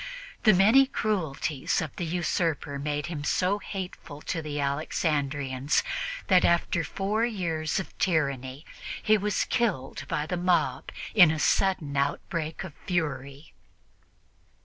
The many cruelties of the usurper made him so hateful to the Alexandrians that, after four years of tyranny, he was killed by the mob in a sudden outbreak of fury.